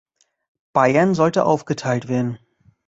Bayern sollte aufgeteilt werden.